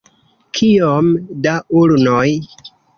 Kiom da ulnoj?